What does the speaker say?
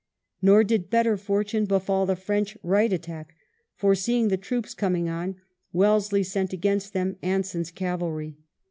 Nor did better fortune befall the French right attack, for seeing the troops coming on, Wellesley sent against them Anson's cavalry.